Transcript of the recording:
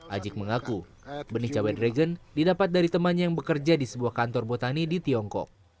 ajik mengaku benih cabai dragon didapat dari temannya yang bekerja di sebuah kantor botani di tiongkok